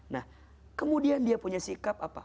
nah kemudian dia punya sikap apa